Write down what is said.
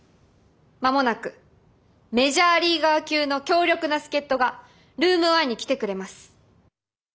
間もなくメジャーリーガー級の強力な助っとがルーム１に来てくれます。